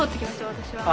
私は。